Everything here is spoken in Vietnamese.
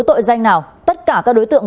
tội danh nào tất cả các đối tượng